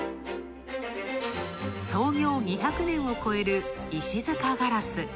創業２００年を越える石塚硝子。